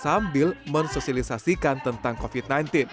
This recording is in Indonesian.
sambil mensosialisasikan tentang covid sembilan belas